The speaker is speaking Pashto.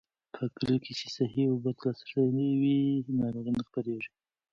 په کليو کې چې صحي اوبو ته لاسرسی وي، ناروغۍ نه خپرېږي.